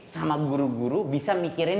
sama guru guru bisa mikirin